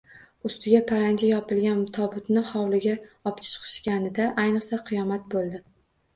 Ustiga paranji yopilgan tobutni hovliga opchiqishganida ayniqsa qiyomat bo‘ldi.